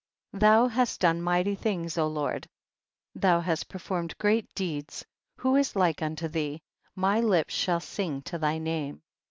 Thou hast done mighty things, O Lord, thou hast performed great deeds ; who is like unto thee ? my lips shall sing to thy name.